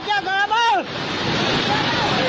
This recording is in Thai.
แล้วน้ำซัดมาอีกละรอกนึงนะฮะจนในจุดหลังคาที่เขาไปเกาะอยู่เนี่ย